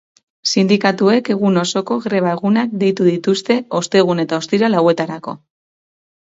Sindikatuek egun osoko greba-egunak deitu dituzte ostegun eta ostiral hauetarako.